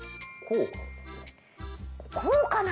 こうかな。